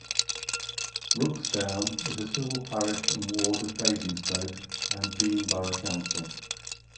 Rooksdown is a civil parish and ward of Basingstoke and Deane borough council.